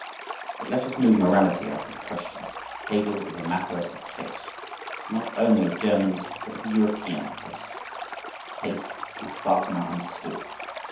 But let us leave morality out of the question, Hegel is a matter of taste.… And not only of German but of European taste!… A taste which Wagner understood!